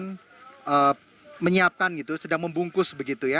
yang menyiapkan gitu sedang membungkus begitu ya